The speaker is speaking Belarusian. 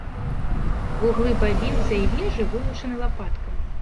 Вуглы бабінца і вежы вылучаны лапаткамі.